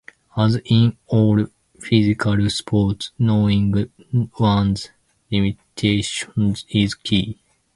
As in all physical sports, knowing one's limitations is key.